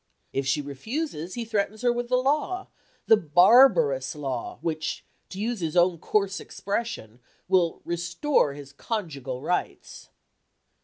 If she refuses, he threatens her with the law, the barbarous law, which, to use his own coarse expression, will "restore his conjugal rights."